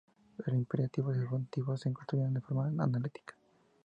El imperativo y el subjuntivo se construyen de forma analítica.